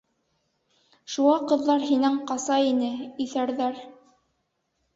Шуға ҡыҙҙар һинән ҡаса ине, иҫәрҙәр.